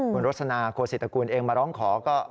คุณรสนาครัวศิษย์ตระกูลเองมาร้องขอก็